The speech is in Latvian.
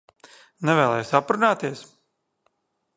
Nevēlies aprunāties?